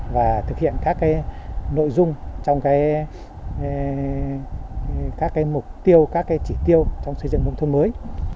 và thực hiện các nội dung trong các mục tiêu các chỉ tiêu trong xây dựng nông thôn mới